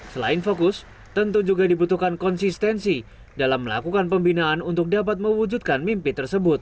selain fokus tentu juga dibutuhkan konsistensi dalam melakukan pembinaan untuk dapat mewujudkan mimpi tersebut